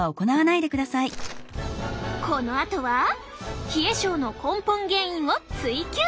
このあとは冷え症の根本原因を追及！